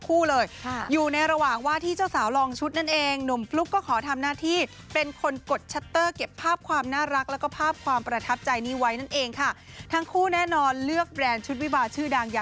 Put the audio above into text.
เพราะว่าเป็นชุดสีแดงใช่ไหมเออสวยสดงดงามทั้งคู่เลย